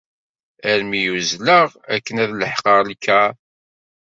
Armi uzzleɣ akken ad leḥqeɣ lkaṛ.